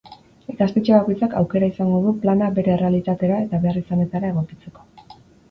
Ikastetxe bakoitzak aukera izango du plana bere errealitatera eta beharrizanetara egokitzeko.